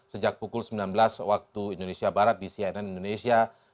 sejak pukul sembilan belas waktu indonesia barat di cnn indonesia